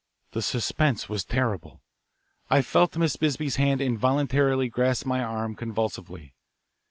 The suspense was terrible. I felt Miss Bisbee's hand involuntarily grasp my arm convulsively.